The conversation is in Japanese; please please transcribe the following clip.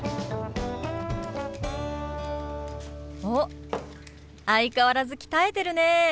おっ相変わらず鍛えてるね！